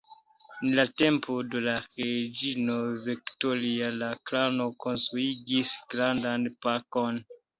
En la tempo de la reĝino Viktoria la klano konstruigis grandan parkon.